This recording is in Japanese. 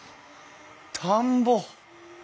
田んぼ！